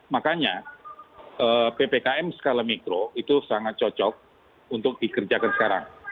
makanya ppkm skala mikro itu sangat cocok untuk dikerjakan sekarang